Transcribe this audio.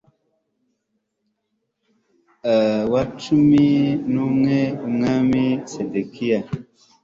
wa cumi n umwe w umwami sedekiya